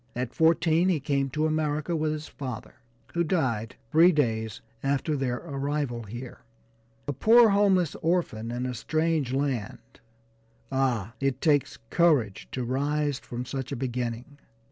At fourteen he came to America with his father, who died three days after their arrival here. A poor, homeless orphan, in a strange land ah! it takes courage to rise from such a beginning.